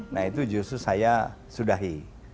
nah itu justru saya sudahi